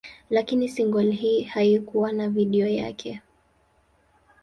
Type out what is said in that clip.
Lakini single hii haikuwa na video yake.